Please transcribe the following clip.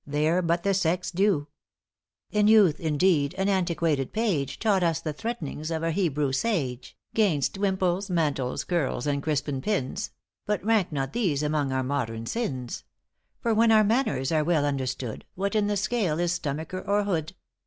they're but the sex's due. ````"In youth, indeed, an antiquated page ```Taught us the threatenings of a Hebrew sage ```'Gainst wimples, mantles, curls and crisping pins, ```But rank not these among our modern sins; ```For when our manners are well understood, ```What in the scale is stomacher or hood?